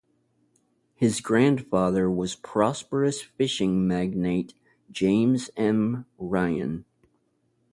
His grandfather was prosperous fishing magnate James M. Ryan.